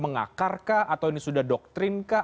mengakarkah atau ini sudah doktrinkah